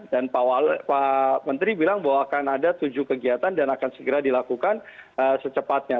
dan pak menteri bilang bahwa akan ada tujuh kegiatan dan akan segera dilakukan secepatnya